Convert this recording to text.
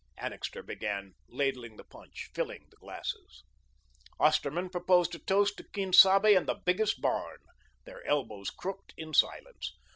Annixter began ladling the punch, filling the glasses. Osterman proposed a toast to Quien Sabe and the Biggest Barn. Their elbows crooked in silence.